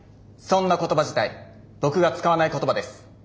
そんな言葉自体僕が使わない言葉です。